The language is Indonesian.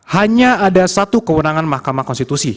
hanya ada satu kewenangan mahkamah konstitusi